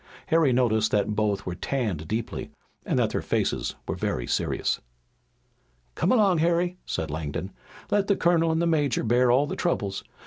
Harry noted that both were tanned deeply and that their faces were very serious. "Come along, Harry," said Langdon. "Let the colonel and the major bear all the troubles.